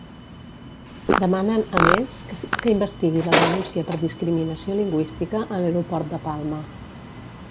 Demanen a Més que investigui la denúncia per discriminació lingüística a l'aeroport de Palma.